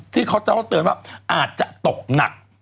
ที่เขาจะต้องเตือนว่าอาจจะตกหนัก